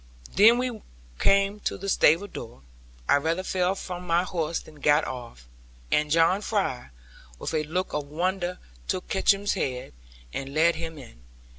When we came to the stable door, I rather fell from my horse than got off; and John Fry, with a look of wonder took Kickum's head, and led him in.